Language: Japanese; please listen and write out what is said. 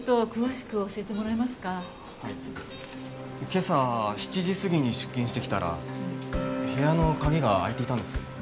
今朝７時過ぎに出勤してきたら部屋の鍵が開いていたんです。